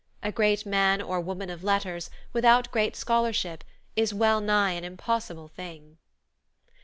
A great man or woman of letters, without great scholarship, is well nigh an impossible thing.